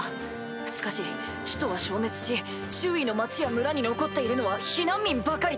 しかし首都は消滅し周囲の町や村に残っているのは避難民ばかりで。